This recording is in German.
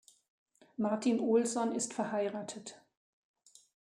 Martin Olson ist verheiratet.